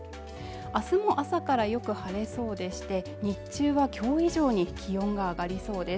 明日も朝からよく晴れそうでして、日中は今日以上に気温が上がりそうです。